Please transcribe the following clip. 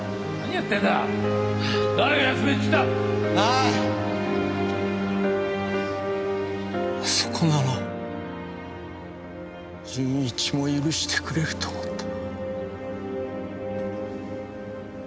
あそこなら純一も許してくれると思った。